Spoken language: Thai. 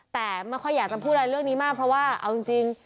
แต่ไม่ค่อยอยากจะพูดอะไรเรื่องนี้มากเพราะว่าเอาจริง